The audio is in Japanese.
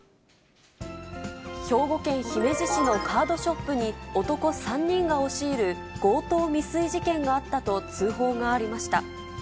兵庫県姫路市のカードショップに男３人が押し入る強盗未遂事件があったと通報がありました。